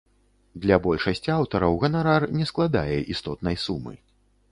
Для большасці аўтараў ганарар не складае істотнай сумы.